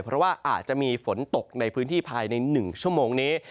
เพราะว่าอาจจะมีฝนตกในพื้นที่ภายใน๑ชั่วโมงนี้